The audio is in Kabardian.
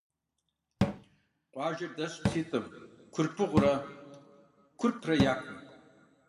Къуажэр дэсащ пситӀым – Курпыгъурэ Курпрэ – я кум.